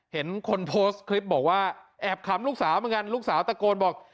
เห็นคนโพสต์คลิปบอกว่าแอบขำลูกสาวเหมือนกันลูกสาวตะโกนบอก